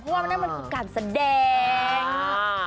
เพราะว่ามันนั่นมันคือการแสดง